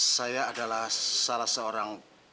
saya adalah salah seorang